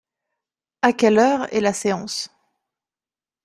À quelle heure est la séance ?